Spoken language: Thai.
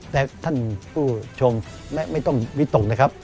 และท่านผู้ชมไม่ต้องวิตกนะครับ